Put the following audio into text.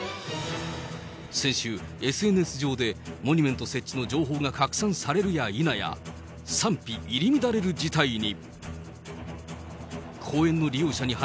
先週、ＳＮＳ上でモニュメント設置の情報が拡散されるや否や、賛否入り乱れる事態に。